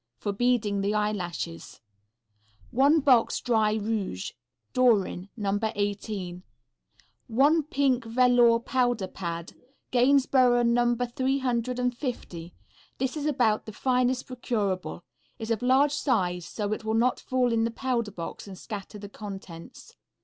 For beading the eyelashes. One Box Dry Rouge. Dorin, No. 18. One Pink Velour Powder Pad. Gainsborough No. 350. This is about the finest procurable; is of large size, so it will not fall in the powder box and scatter the contents.